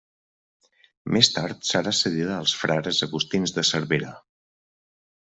Més tard serà cedida als frares agustins de Cervera.